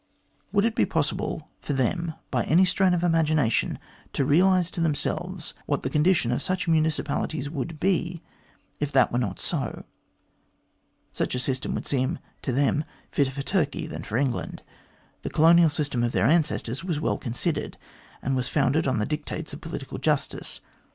Would it be possible for them, by any strain of imagination, to realise to themselves what the condition of such municipalities would be if that were not so ? Such a system would seem to them fitter for Turkey than for England. The colonial system of their ancestors was well considered, and was founded on the dictates of political justice.